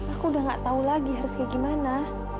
aku udah gak tau lagi harus kayak gimana